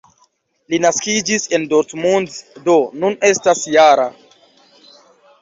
Li naskiĝis en Dortmund, do nun estas -jara.